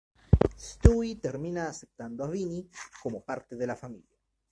Stewie termina aceptando a Vinny como parte de la familia.